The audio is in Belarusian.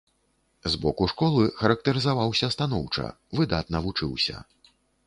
З боку школы характарызаваўся станоўча, выдатна вучыўся.